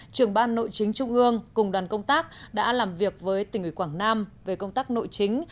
trưởng ban nội chính trung ương cùng đoàn công tác đã làm việc với tỉnh ủy quảng nam về công tác nội chính